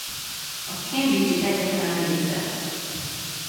A Cambridge-i Egyetem-en végzett.